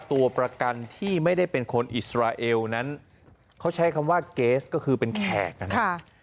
ตัวประกันที่ไม่ได้เป็นคนอิสราเอลนั้นเขาใช้คำว่าเกสก็คือเป็นแขกนะครับ